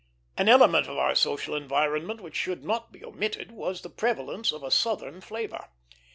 An element in our social environment which should not be omitted was the prevalence of a Southern flavor.